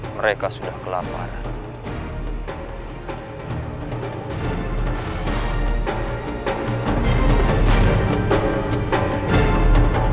mereka sudah kelaparan